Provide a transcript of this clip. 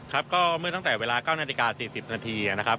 ครับก็เมื่อตั้งแต่เวลา๙นาฬิกา๔๐นาทีนะครับ